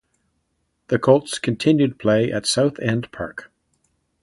The Colts continued play at South End Park.